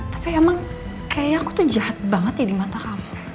tapi emang kayaknya aku tuh jahat banget ya di mata kamu